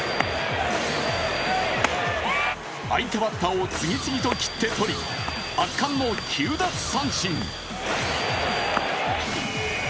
相手バッターを次々ときってとり圧巻の９奪三振。